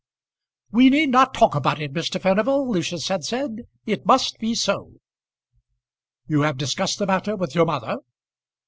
"We need not talk about it, Mr. Furnival," Lucius had said. "It must be so." "You have discussed the matter with your mother?"